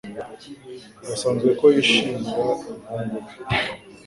Birasanzwe ko yishimira umuhungu we.